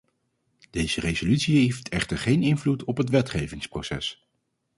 Deze resolutie heeft echter geen invloed op het wetgevingsproces.